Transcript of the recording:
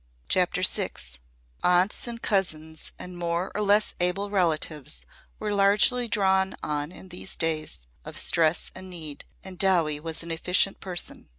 CHAPTER VI Aunts and cousins and more or less able relatives were largely drawn on in these days of stress and need, and Dowie was an efficient person.